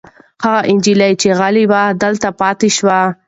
هغه نجلۍ چې غلې وه دلته پاتې شوه.